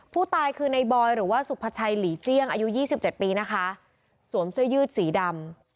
ผู้ตายคือในบอยหรือว่าสุภาชัยหลีเจียงอายุยี่สิบเจ็ดปีนะคะสวมเสื้อยืดสีดำ